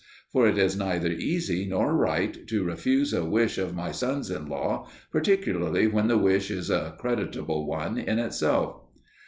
For it is neither easy nor right to refuse a wish of my sons in law, particularly when the wish is a creditable one in itself.